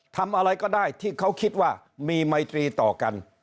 ทำอะไรก็ได้ที่เขาคิดว่ามีไมตรีต่อกัน